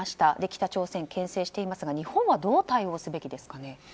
北朝鮮を牽制していますが日本はどう対応すべきですかね。